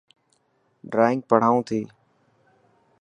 ڊرانگ پڙهائون تي.